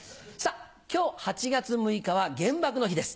今日８月６日は原爆の日です。